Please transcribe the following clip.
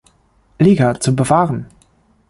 Liga zu bewahren.